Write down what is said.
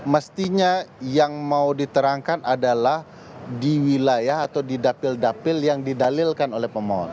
mestinya yang mau diterangkan adalah di wilayah atau di dapil dapil yang didalilkan oleh pemohon